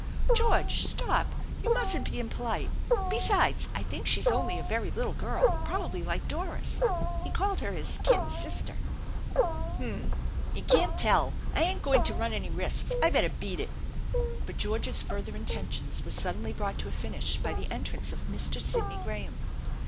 " George, stop ! You mustn't be impolite. Besides, I think she's only a very little girl, probably like Doris. Ht jailed her his ' kid sister.'" THE ENCHANTED BARN 65 "H'm! You can't tell. I ain't going to run any risks. I better beat it.'' But George's further intentions were suddenly brought to a finish by the entrance of Mr. Sidney Graham.